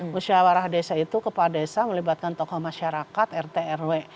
musyawarah desa itu kepala desa melibatkan tokoh masyarakat rt rw